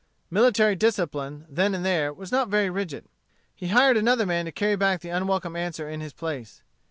Military discipline, then and there, was not very rigid. He hired another man to carry back the unwelcome answer in his place.